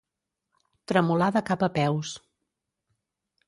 Tremolar de cap a peus.